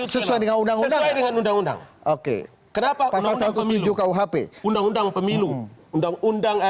sesuai dengan undang undang oke kenapa pasal satu ratus tujuh kuhp undang undang pemilu undang undang